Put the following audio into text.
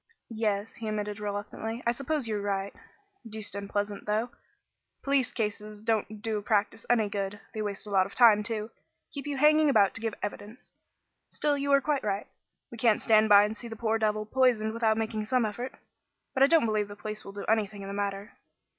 "Yes," he admitted reluctantly, "I suppose you're right. Deuced unpleasant though. Police cases don't do a practice any good. They waste a lot of time, too; keep you hanging about to give evidence. Still, you are quite right. We can't stand by and see the poor devil poisoned without making some effort. But I don't believe the police will do anything in the matter."